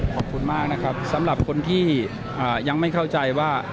ขอบคุณมากนะครับสำหรับคนที่ยังไม่เข้าใจว่า